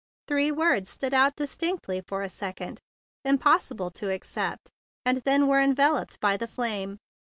Three words stood out distinctly for a second, "Impos¬ sible to accept," and then were enveloped by the flame.